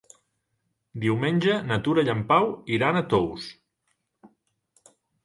Diumenge na Tura i en Pau iran a Tous.